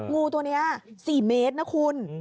งูตัวนี้๔เมตรนะคุณ